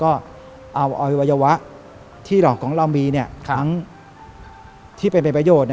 เพราะวัยวะที่ของเรามีทั้งที่เป็นประโยชน์